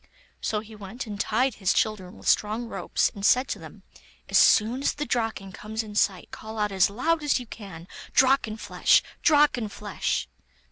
So he went and tied his children with strong ropes, and said to them: 'As soon as the Draken comes in sight, call out as loud as you can, "Drakenflesh! Drakenflesh!"